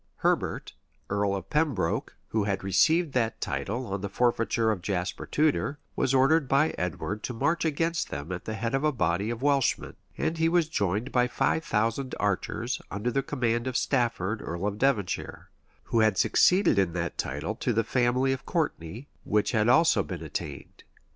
Herbert, earl of Pembroke, who had received that title on the forfeiture of Jasper Tudor, was ordered by Edward to march against them at the head of a body of Welshmen; and he was joined by five thousand archers, under the command of Stafford, earl of Devonshire, who had succeeded in that title to the family of Courtney, which had also been attainted.